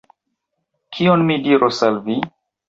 kion mi diros al vi?